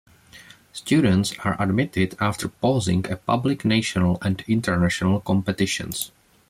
Students are admitted after passing a public national and international competitions.